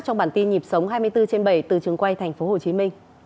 trong bản tin nhịp sống hai mươi bốn trên bảy từ trường quay tp hcm